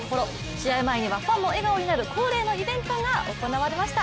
試合前にはファンも笑顔になる恒例のイベントが行われました。